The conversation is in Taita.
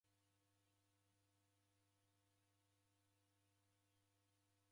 Siw'adie TV nyumbenyi mkwapo.